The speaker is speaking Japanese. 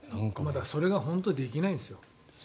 それが本当はできないんです。